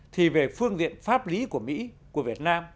thì về phương diện pháp lý của mỹ của việt nam